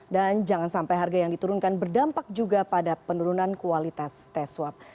dan jangan sampai harga yang diturunkan berdampak juga pada penurunan kualitas tes swab